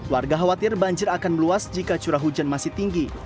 warga khawatir banjir akan meluas jika curah hujan masih tinggi